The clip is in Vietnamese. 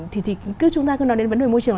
thì chúng ta cứ nói đến vấn đề môi trường